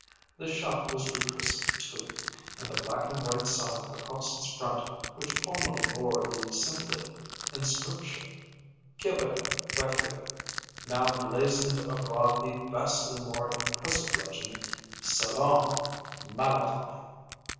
The shop was rechristened, too, and the black and white sign across its front which formerly bore the simple inscription "Kilbert, Coiffeur," now blazoned abroad the vastly more impressive legend "Salon Malakoff."